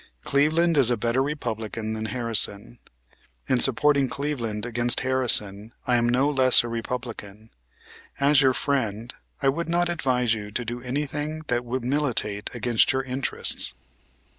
Cleveland is a better Republican than Harrison. In supporting Cleveland against Harrison I am no less a Republican. As your friend I would not advise you to do anything that would militate against your interests.